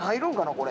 これ。